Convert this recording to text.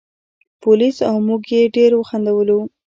پولیس او موږ یې ډېر وخندولو.